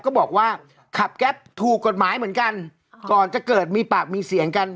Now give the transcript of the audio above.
ก็บอกว่าขับแก๊ปถูกกฎหมายเหมือนกันก่อนจะเกิดมีปากมีเสียงกัน